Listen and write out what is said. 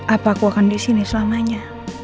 apa aku akan disini selamanya